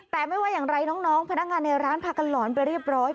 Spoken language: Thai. แต่ไม่ว่าอย่างไรน้องพนักงานในร้านพากันหลอนไปเรียบร้อย